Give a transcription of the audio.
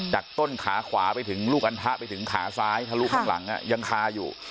ต้นขาขวาไปถึงลูกอันทะไปถึงขาซ้ายทะลุข้างหลังยังคาอยู่